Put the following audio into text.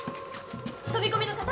飛び込みの方？